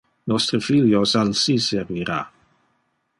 Nostre filios alsi servira.